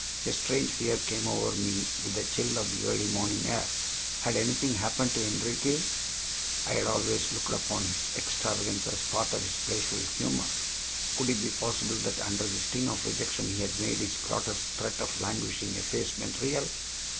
A strange fear came over me with the chill of the early morning air. Had anything happened to Enriquez? I had always looked upon his extravagance as part of his playful humor. Could it be possible that under the sting of rejection he had made his grotesque threat of languishing effacement real?